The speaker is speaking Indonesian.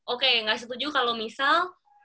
oke nggak setuju kalau misal